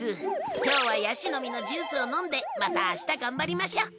今日はヤシの実のジュースを飲んでまた明日頑張りましょう。